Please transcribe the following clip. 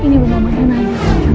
ini bukan menang